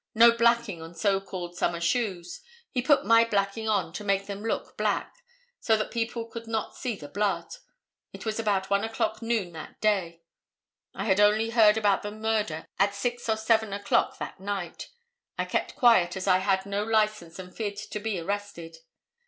No blacking on so called summer shoes. He put my blacking on to make them look black, so that people could not see the blood. It was about 1 o'clock noon that day. I only heard about the murder at 6 or 7 o'clock that night. I kept quiet as I had no license and feared to be arrested.